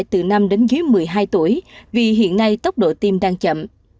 từ năm đến dưới một mươi hai tuổi vì hiện nay tốc độ tiêm đang chậm